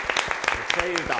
めっちゃいい歌。